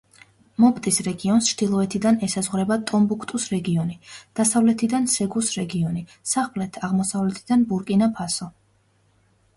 მოპტის რეგიონს ჩრდილოეთიდან ესაზღვრება ტომბუქტუს რეგიონი, დასავლეთიდან სეგუს რეგიონი, სამხრეთ-აღმოსავლეთიდან ბურკინა-ფასო.